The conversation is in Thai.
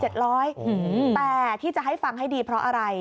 แต่ที่จะให้ฟังให้ดีเพราะอะไร